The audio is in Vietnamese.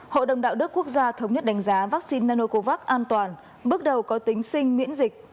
hội đồng đạo đức quốc gia thống nhất đánh giá vaccine nanocovax an toàn bước đầu có tính sinh miễn dịch